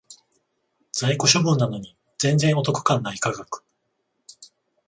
在庫処分なのに全然お得感ない価格